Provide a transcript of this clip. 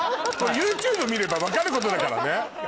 これＹｏｕＴｕｂｅ見れば分かることだからね。